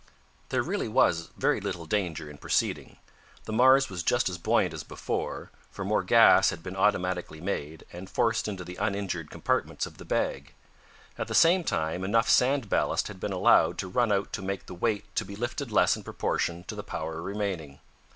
There really was very little danger in proceeding. The Mars was just as buoyant as before, for more gas had been automatically made, and forced into the uninjured compartments of the bag. At the same time enough sand ballast had been allowed to run out to make the weight to be lifted less in proportion to the power remaining.